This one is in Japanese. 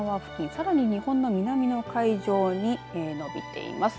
さらに日本の南の海上に伸びています。